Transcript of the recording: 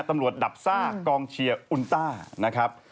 ตำรวจดับซากกองเชียร์อุนต้านะครับ